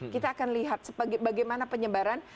kita akan lihat bagaimana penyebaran